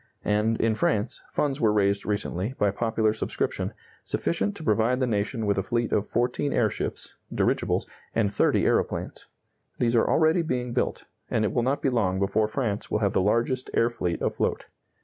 And, in France, funds were raised recently, by popular subscription, sufficient to provide the nation with a fleet of fourteen airships (dirigibles) and thirty aeroplanes. These are already being built, and it will not be long before France will have the largest air fleet afloat.